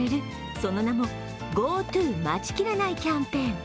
その名もＧｏＴｏ待ちきれないキャンペーン。